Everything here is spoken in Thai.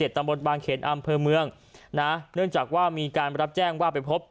ตำบลบางเขนอำเภอเมืองนะเนื่องจากว่ามีการรับแจ้งว่าไปพบ